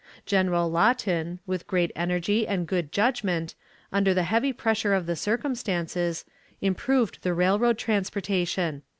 General Lawton, with great energy and good judgment, under the heavy pressure of the circumstances, improved the railroad transportation.